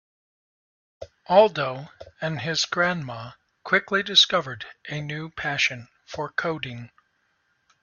Aldo and his grandma quickly discovered a new passion for coding.